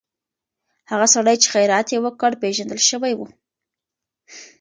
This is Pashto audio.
هغه سړی چې خیرات یې وکړ، پېژندل شوی و.